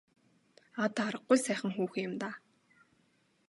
Аа даа аргагүй л сайхан хүүхэн юм даа.